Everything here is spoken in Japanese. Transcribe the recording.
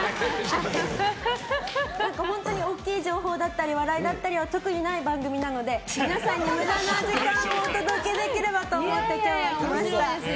大きい情報だったり笑いだったりは特にない番組なので皆さんに無駄な時間をお届けできればと思って今日は来ました。